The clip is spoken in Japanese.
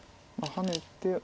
ハネて。